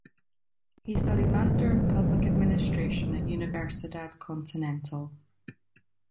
He studied Master of Public Administration at Universidad Continental.